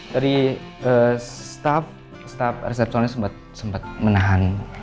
tadi staf resep soalnya sempet menahan